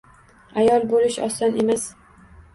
Ayol boʻlish oson emas